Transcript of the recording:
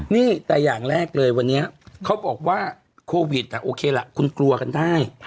นี่แต่อย่างแรกเลยวันนี้เขาบอกว่าโควิดโอเคล่ะคุณกลัวกันได้